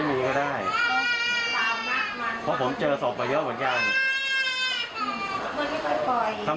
ใครให้ไปชนะสูตรล่ะครับ